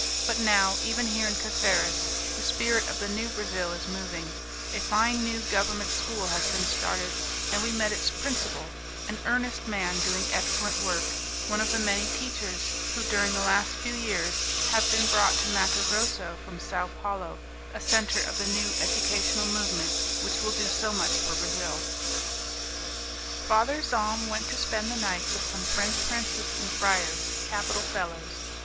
But now even here in Caceres the spirit of the new Brazil is moving; a fine new government school has been started, and we met its principal, an earnest man doing excellent work, one of the many teachers who, during the last few years, have been brought to Matto Grosso from Sao Paulo, a centre of the new educational movement which will do so much for Brazil. Father Zahm went to spend the night with some French Franciscan friars, capital fellows.